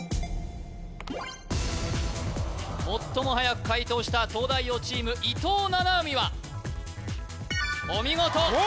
最もはやく解答した東大王チーム伊藤七海はお見事！